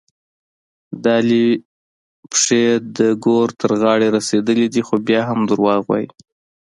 د علي پښې د ګور تر غاړې رسېدلې دي، خو بیا هم دروغ وايي.